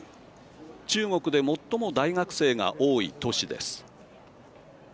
中国で最も大学生が多い都市です。